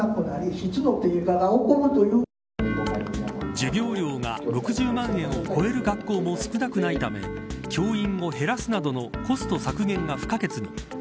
授業料が６０万円を超える学校も少なくないため教員を減らすなどのコスト削減が不可欠に。